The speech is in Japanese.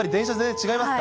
違いますか？